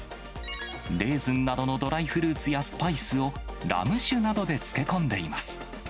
レーズンなどのドライフルーツやスパイスを、ラム酒などで漬け込んでいます。